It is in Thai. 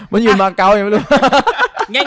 มันยืนมาเกาะยังไม่รู้